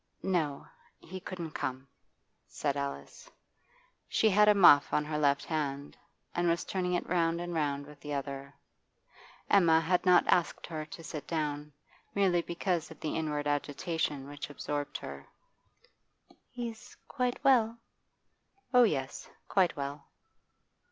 'No, he couldn't come,' said Alice. She had a muff on her left hand, and was turning it round and round with the other. Emma had not asked her to sit down, merely because of the inward agitation which absorbed her. 'He's quite well?' 'Oh yes, quite well.